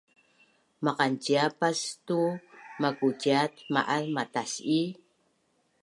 Maqanciapas tu mukuciat ma’az matas’i?